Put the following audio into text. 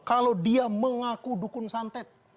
kalau dia mengaku dukun santet